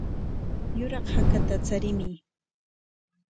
Yuraq hakata charimuy.